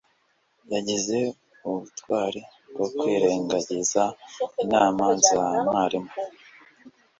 yagize ubutwari bwo kwirengagiza inama za mwarimu